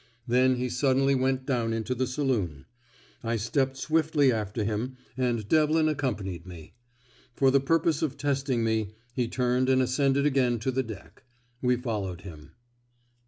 Then he suddenly went down into the saloon. I stepped swiftly after him, and Devlin accompanied me. For the purpose of testing me, he turned and ascended again to the deck. We followed him.